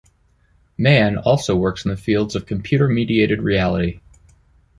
Mann also works in the fields of computer-mediated reality.